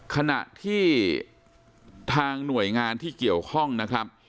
ขณะที่ทางหน่วยงานที่เกี่ยวข้องนะครับ